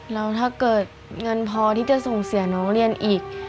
แล้วถ้าเกิดเงินพอที่จะส่งเสียน้องเรียนอีก